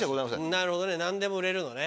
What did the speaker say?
なるほどね何でも売れるのね。